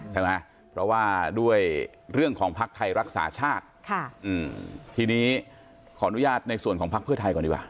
ใช่ไหมเพราะว่าด้วยเรื่องของภักดิ์ไทยรักษาชาติทีนี้ขออนุญาตในส่วนของพักเพื่อไทยก่อนดีกว่า